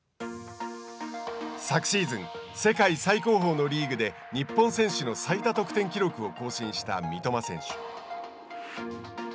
昨シーズン世界最高峰のリーグで日本選手の最多得点記録を更新した三笘選手。